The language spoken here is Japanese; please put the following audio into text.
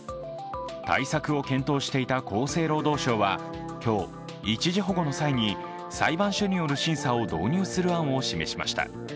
対策を検討していた厚生労働省は今日、一時保護の際に裁判所による審査を導入する案を示しました。